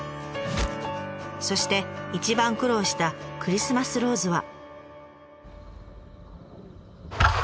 そして一番苦労したクリスマスローズは。